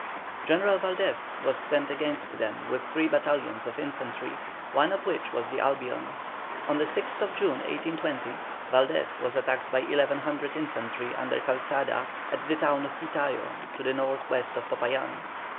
General Valdez was sent against them, with three battalions of infantry, one of which was the Albion. On the 6th June, 1820, Valdez was attacked by 1,100 infantry under Calzada at the town of Pitayo to the north west of Popayán.